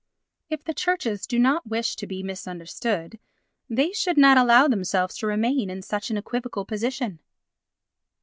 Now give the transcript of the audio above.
If the Churches do not wish to be misunderstood they should not allow themselves to remain in such an equivocal position.